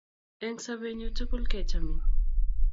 Eng' sobennyo tukul ke chamin